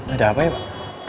ada apa ya pak